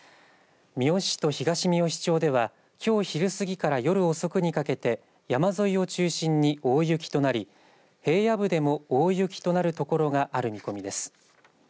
三好市と東みよし町ではきょう昼過ぎから夜遅くにかけて山沿いを中心に大雪となり平野部でも大雪となる所がある見込みです。